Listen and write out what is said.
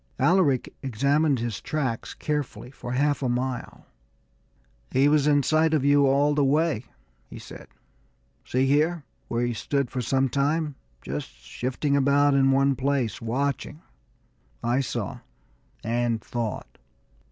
Alaric examined his tracks carefully for half a mile. "He was in sight of you all the way," he said. "See here, where he stood for some time, just shifting about in one place, watching?" I saw and thought.